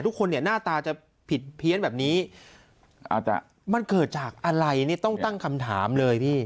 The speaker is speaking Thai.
ทุกคนเนี่ยหน้าตาจะผิดเพี้ยนแบบนี้อาจจะมันเกิดจากอะไรนี่ต้องตั้งคำถามเลยพี่